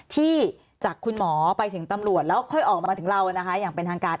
ที่จากคุณหมอไปถึงตำรวจแล้วค่อยออกมามาถึงเรานะคะอย่างเป็นทางการ